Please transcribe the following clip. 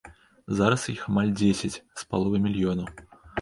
Зараз іх амаль дзесяць з паловай мільёнаў.